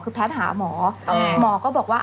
คือแพทย์หาหมอหมอก็บอกว่า